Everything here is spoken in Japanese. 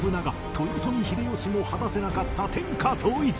豊臣秀吉も果たせなかった天下統一